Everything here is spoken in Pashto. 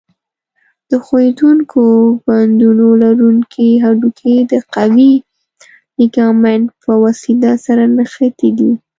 د ښورېدونکو بندونو لرونکي هډوکي د قوي لیګامنت په وسیله سره نښتي دي.